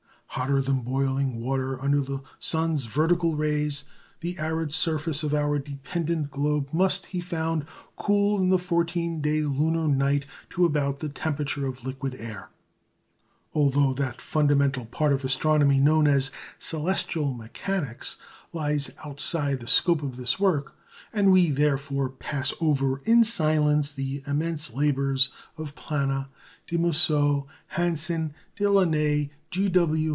Hotter than boiling water under the sun's vertical rays, the arid surface of our dependent globe must, he found, cool in the 14 day lunar night to about the temperature of liquid air. Although that fundamental part of astronomy known as "celestial mechanics" lies outside the scope of this work, and we therefore pass over in silence the immense labours of Plana, Damoiseau, Hansen, Delaunay, G. W.